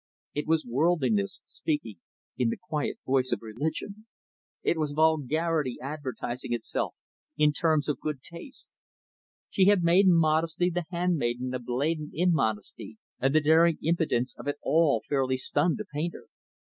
It was worldliness speaking in the quiet voice of religion. It was vulgarity advertising itself in terms of good taste. She had made modesty the handmaiden of blatant immodesty, and the daring impudence of it all fairly stunned the painter.